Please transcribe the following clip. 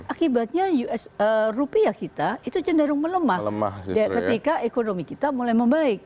akibatnya us rupiah kita itu cenderung melemah ketika ekonomi kita mulai membaik